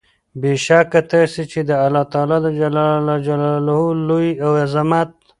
بې شکه تاسي چې د الله تعالی د جلال، لوئي او عظمت